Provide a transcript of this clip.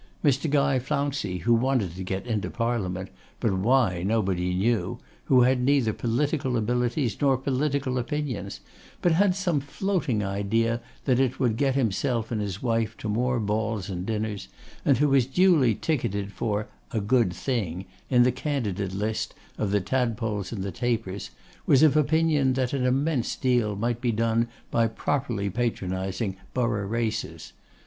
Mr. Guy Flouncey, who wanted to get into parliament, but why nobody knew, who had neither political abilities nor political opinions, but had some floating idea that it would get himself and his wife to some more balls and dinners, and who was duly ticketed for 'a good thing' in the candidate list of the Tadpoles and the Tapers, was of opinion that an immense deal might be done by properly patronising borough races.